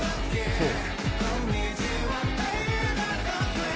そう。